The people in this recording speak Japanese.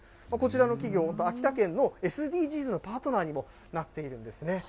こちらの企業、秋田県のＳＤＧｓのパートナーにもなっているんですね。